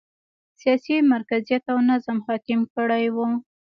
سیاسي مرکزیت او نظم حاکم کړی و.